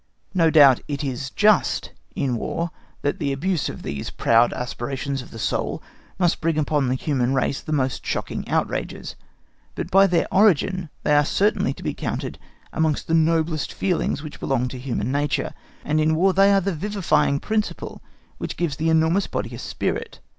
No doubt it is just in War that the abuse of these proud aspirations of the soul must bring upon the human race the most shocking outrages, but by their origin they are certainly to be counted amongst the noblest feelings which belong to human nature, and in War they are the vivifying principle which gives the enormous body a spirit.